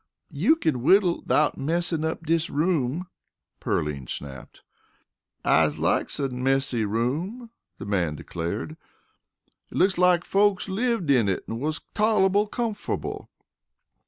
"You kin whittle 'thout messin' up dis room," Pearline snapped. "I likes a messy room," the man declared. "It looks like folks lived in it an' wus tol'able comfer'ble."